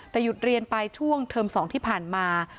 แต่หยุดเรียนไปช่วงเทอม๒ที่ผ่านมา